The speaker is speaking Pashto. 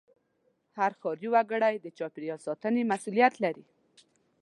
هر ښاري وګړی د چاپېریال ساتنې مسوولیت لري.